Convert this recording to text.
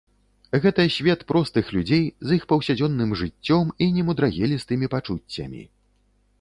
Гэта свет простых людзей з іх паўсядзённым жыццём і немудрагелістымі пачуццямі.